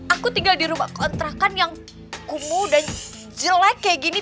aku tinggal di rumah kontrakan yang kumuh dan jelek kayak gini